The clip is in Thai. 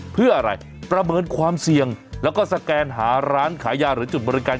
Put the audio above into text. เพื่ออะไรประเมินความเสี่ยงแล้วก็สแกนหาร้านขายยาหรือจุดบริการ